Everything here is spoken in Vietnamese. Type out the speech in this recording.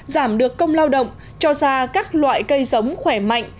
giảm được công lao động cho ra các loại cây sống khỏe mạnh